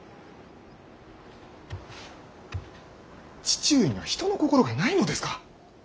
父上には人の心がないのですか。